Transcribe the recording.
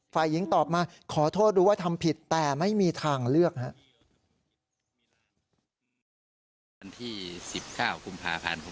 ฝ่ายหญิงตอบมาขอโทษรู้ว่าทำผิดแต่ไม่มีทางเลือกครับ